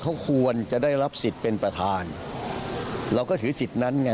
เขาควรจะได้รับสิทธิ์เป็นประธานเราก็ถือสิทธิ์นั้นไง